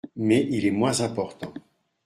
Mais il est moins important.